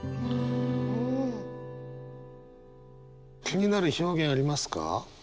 気になる表現ありますか？